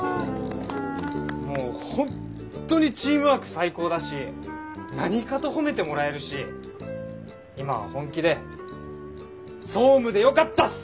もう本当にチームワーク最高だし何かと褒めてもらえるし今は本気で総務でよかったっす！